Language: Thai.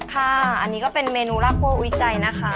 ค่ะอันนี้เป็นเมนูลับครัวอุ้ยใจนะคะ